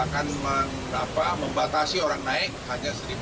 hal akan membatasi orang naik hanya seribu dua ratus per hari